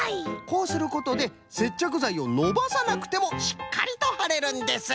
こうすることでせっちゃくざいをのばさなくてもしっかりとはれるんです。